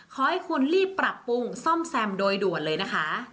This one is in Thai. ขอให้คุณรีบปรับปรุงซ่อมแซมโดยด่วนเลยนะคะ